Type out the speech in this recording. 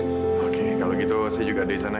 oke kalau gitu saya juga ada disana